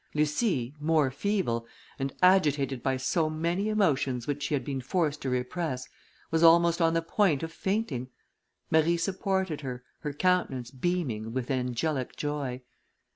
Lucie, more feeble, and agitated by so many emotions which she had been forced to repress, was almost on the point of fainting: Marie supported her, her countenance beaming with angelic joy.